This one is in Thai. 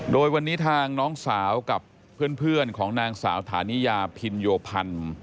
โดยวันนี้ทางน้องสาวกับเพื่อนของนางสาวฐานิยาพินโยพันธ์